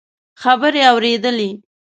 خبرې اورېدلې.